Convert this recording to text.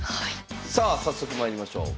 さあ早速まいりましょう。